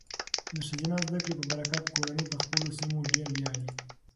د ښځینه زده کړې په برکت، کورنۍ په خپلو سیمو ډیر ویاړي.